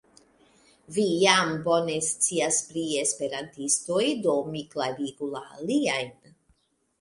Vi jam bone scias pri esperantistoj, do mi klarigu la aliajn.